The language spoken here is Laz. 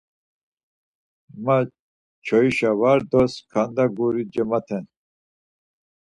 Ma çoyişa var do sǩanda guri cemat̆en.